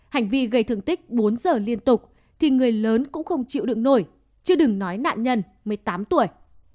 hành vi gây thương tích bốn giờ liên tục thì người lớn cũng không chịu đựng nổi chưa đừng nói nạn nhân một mươi tám tuổi